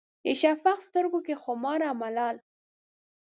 د شفق سترګو کې خمار او ملال